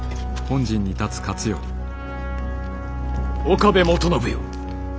岡部元信よ。